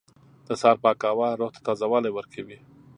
• د سهار پاکه هوا روح ته تازهوالی ورکوي.